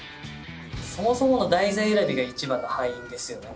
そもそもの題材選びが一番の敗因ですよね